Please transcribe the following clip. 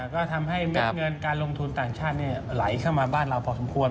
ก็ทำให้เม็ดเงินการลงทุนต่างชาติไหลเข้ามาบ้านเราพอสมควร